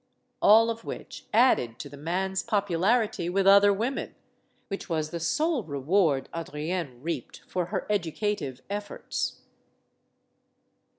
All of which added to the man's popularity with other women; which was the sole reward Adrienne reaped for her educative efforts.